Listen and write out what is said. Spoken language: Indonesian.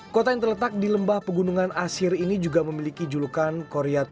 kota yang terletak di lembah pegunungan asir ini juga memiliki julukan koryatul muluk atau desa paramilk